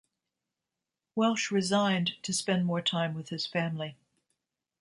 Welsh resigned to spend more time with his family.